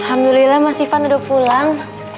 alhamdulillah mas ivan udah pulang